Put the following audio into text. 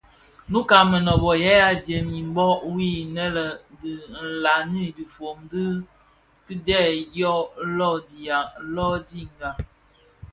Nnouka a Mënōbō yè adyèm i mbōg wui inne dhi nlaňi dhifombi di kidèè dyo londinga.